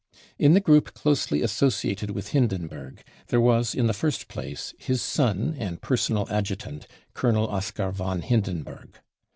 In the group closely associated with Hindenburg there was in the first place his son and personal adjutant, Colonel Oskar vori Hindenburg.